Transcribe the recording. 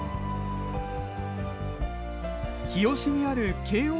日吉にある慶応